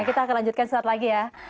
oke kami lanjutkan sesuatu lagi ya